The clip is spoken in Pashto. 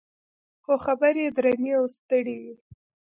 خو خبرې یې درنې او ستړې وې.